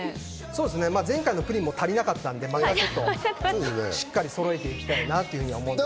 前回のプリンも足りなかったので、しっかりそろえていきたいなと思います。